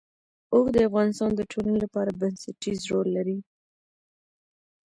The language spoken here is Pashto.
اوښ د افغانستان د ټولنې لپاره بنسټيز رول لري.